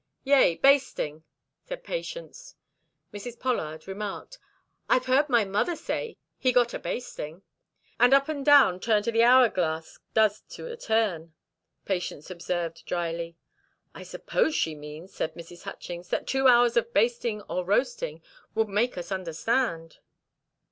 "Yea, basting," said Patience. Mrs. Pollard remarked: "I've heard my mother say, 'He got a basting!'" "An up and down turn to the hourglass does to a turn," Patience observed dryly. "I suppose she means," said Mrs. Hutchings, "that two hours of basting or roasting would make us understand."